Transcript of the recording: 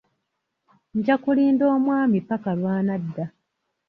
Nja kulinda omwami ppaka lw'anadda.